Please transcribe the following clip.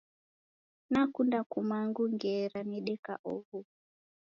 Nakunda kumangu ngera nedeka oho.